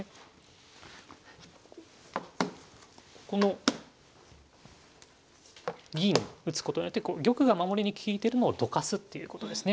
この銀打つことによって玉が守りに利いてるのをどかすっていうことですね。